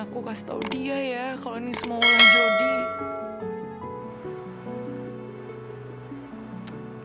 aku kasih tau dia ya kalau ini semua yang jadi